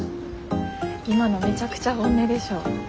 今のめちゃくちゃ本音でしょ？